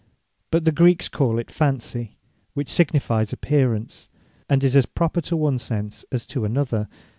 But the Greeks call it Fancy; which signifies Apparence, and is as proper to one sense, as to another.